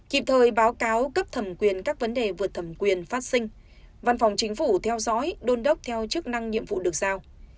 kịp thời báo cáo cấp thẩm quyền các vấn đề vượt thẩm quyền phát sinh văn phòng chính phủ theo dõi đôn đốc theo chức năng nhiệm vụ được giao